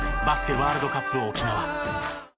ワールドカップ沖縄。